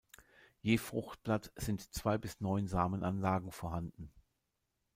Je Fruchtblatt sind zwei bis neun Samenanlagen vorhanden.